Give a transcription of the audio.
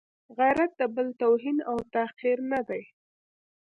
غیرت د بل توهین او تحقیر نه دی.